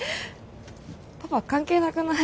パパ関係なくない？